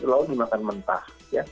lalu dimakan mentah